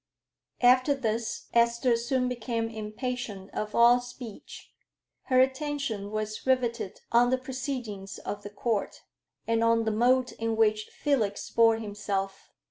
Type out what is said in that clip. After this Esther soon became impatient of all speech; her attention was rivetted on the proceedings of the Court, and on the mode in which Felix bore himself.